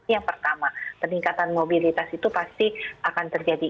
yang pertama peningkatan mobilitas itu pasti akan terjadi